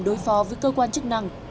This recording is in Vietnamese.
đối phó với cơ quan chức năng